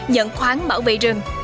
nhận khoáng bảo vệ rừng